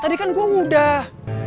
tadi kan gua udah